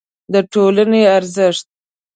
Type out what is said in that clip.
د ټولنې ارزښت